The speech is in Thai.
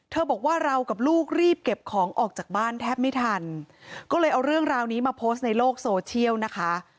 บอกว่าเรากับลูกรีบเก็บของออกจากบ้านแทบไม่ทันก็เลยเอาเรื่องราวนี้มาโพสต์ในโลกโซเชียลนะคะ